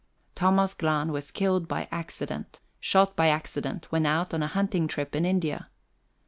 Thomas Glahn was killed by accident shot by accident when out on a hunting trip in India.